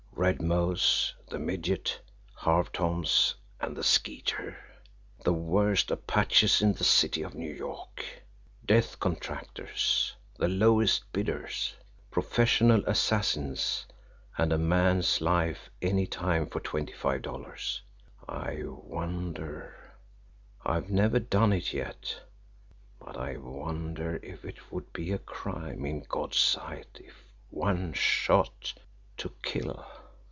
"Red Mose, the Midget, Harve Thoms and the Skeeter! The Worst apaches in the city of New York; death contractors the lowest bidders! Professional assassins, and a man's life any time for twenty five dollars! I wonder I've never done it yet but I wonder if it would be a crime in God's sight if one shot to KILL!"